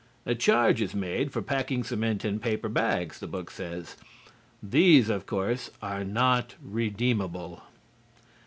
"A charge is made for packing cement in paper bags," the books says. "These, of course, are not redeemable."